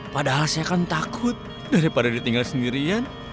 padahal saya kan takut daripada ditinggal sendirian